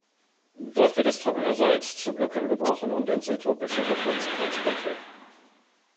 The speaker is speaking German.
Dort wird das trockene Salz zu Blöcken gebrochen und ins äthiopische Hochland transportiert.